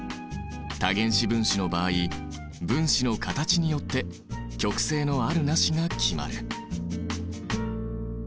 多原子分子の場合分子の形によって極性のあるなしが決まる。